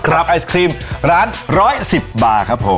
ไอศครีมร้าน๑๑๐บาทครับผม